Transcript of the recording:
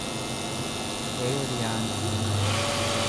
peeriyaanzii